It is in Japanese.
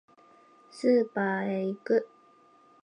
スーパーへ行く